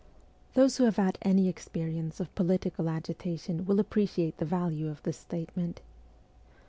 Those who have had any experience of political agitation will appreciate the value of this statement.